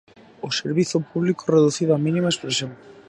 O servizo público reducido á mínima expresión.